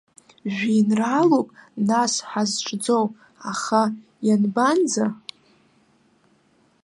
Жәеинраалоуп, нас, ҳазҿӡоу, аха ианбанӡа?